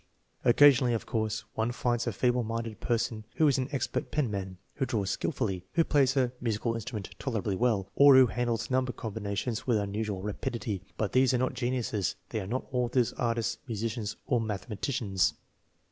Occasionally, of course, one finds a feeble minded per son who is an expert penman, who draws skillfully, who plays a musical instrument tolerably well, or who handles number combinations with unusual rapidity; but these are not geniuses; they are not authors, artists, musicians, or mathematicians.